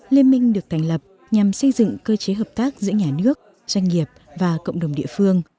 liên minh được thành lập nhằm xây dựng cơ chế hợp tác giữa nhà nước doanh nghiệp và cộng đồng địa phương